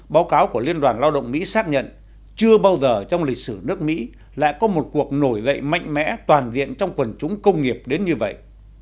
báo cáo của liên đoàn lao động mỹ xác nhận chưa bao giờ trong lịch sử nước mỹ lại có một cuộc nổi dậy mạnh mẽ toàn diện trong quần chúng công nghiệp đến như vậy